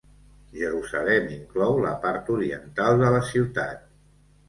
Jerusalem inclou la part oriental de la ciutat: